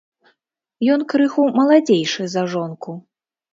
Ён крыху маладзейшы за жонку.